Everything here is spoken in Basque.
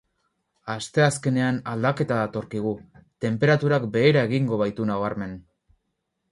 Asteazkenean aldaketa datorkigu, tenperaturak behera egingo baitu nabarmen.